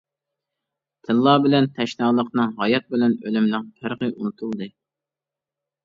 تىللا بىلەن تەشنالىقنىڭ، ھايات بىلەن ئۆلۈمنىڭ پەرقى ئۇنتۇلدى.